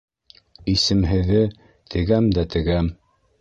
Исемһеҙе: «Тегәм дә тегәм»